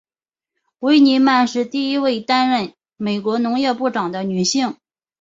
维尼曼是第一位担任美国农业部长的女性。